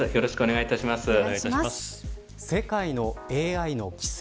世界のＡＩの規制